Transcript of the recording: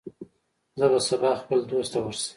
زه به سبا خپل دوست ته ورشم.